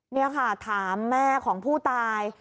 นี่ค่ะถามแม่ของผู้ตาย